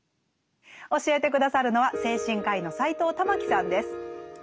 教えて下さるのは精神科医の斎藤環さんです。